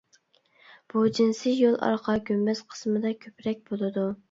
بۇ جىنسى يول ئارقا گۈمبەز قىسمىدا كۆپرەك بولىدۇ.